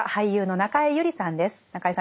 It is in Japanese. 中江さん